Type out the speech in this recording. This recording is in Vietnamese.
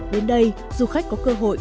đến đây du khách có cơ hội